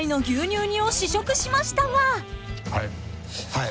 はい。